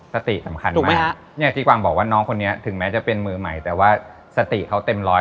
สติสำคัญมากเนี่ยที่กวางบอกว่าน้องคนนี้ถึงแม้จะเป็นมือใหม่แต่ว่าสติเขาเต็มร้อย